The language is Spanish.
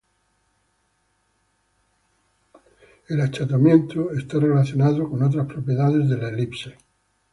El achatamiento está relacionado con otras propiedades de la elipse.